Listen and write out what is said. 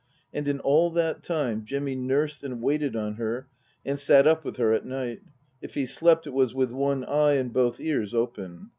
And in all that time Jimmy nursed and waited on her and sat up with her at night. If he slept it was with one eye and both ears open.